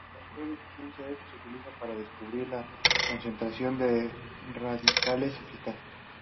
El factor de eficiencia, "f", se utiliza para describir la concentración de radicales eficaz.